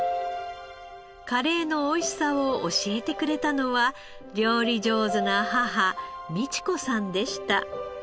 カレーのおいしさを教えてくれたのは料理上手な母美知子さんでした。